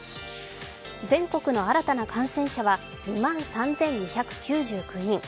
全国の新たな感染者は２万３２９９人。